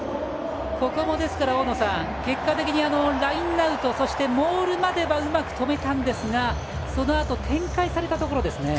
ここも大野さん結果的にはラインアウトそして、モールまではうまく止めたんですがそのあと展開されたところですね。